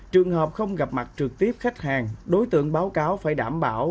trường hợp không gặp mặt trực tiếp khách hàng đối tượng báo cáo phải đảm bảo